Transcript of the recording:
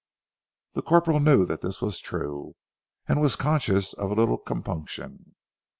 The corporal knew that this was true, and was conscious of a little compunction.